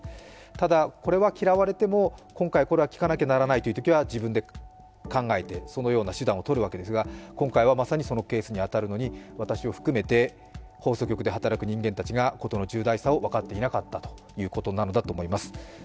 ただ、これは嫌われても今回、これは聞かなきゃならないというときはそれは考えてそのような手段をとるわけですが今回はまさにそのケースに当たるのに私を含めて、放送局で働く人間たちが事の重大さを分かっていなかったということなのだと思います。